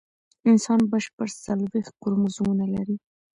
انسان شپږ څلوېښت کروموزومونه لري